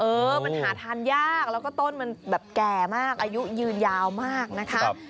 เออมันหาทานยากแล้วก็ต้นมันแบบแก่มากอายุยืนยาวมากนะคะ